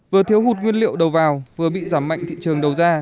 vừa thiếu hụt nguyên liệu đầu vào vừa bị giảm mạnh thị trường đầu ra